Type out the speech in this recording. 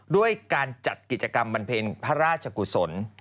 ด้วยการจัดกิจกรรมบำเพ็ญพระราชกุศล